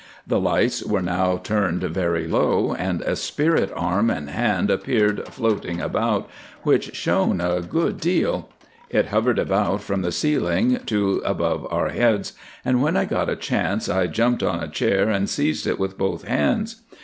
The lights were now turned very low, and a spirit arm and hand appeared floating about, which shone a good deal. It hovered about from the ceiling to above our heads, and when I got a chance I jumped on a chair and seized it with both hands.